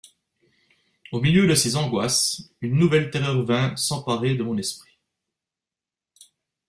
Au milieu de ces angoisses, une nouvelle terreur vint s’emparer de mon esprit.